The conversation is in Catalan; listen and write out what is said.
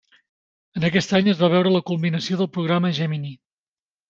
En aquest any es va veure la culminació del programa Gemini.